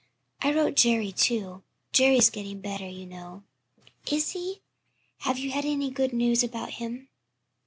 I wrote Jerry, too. Jerry's getting better, you know." "Is he? Have you had any good news about him?"